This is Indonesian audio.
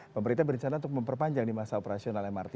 pemerintah berencana untuk memperpanjang di masa operasional mrt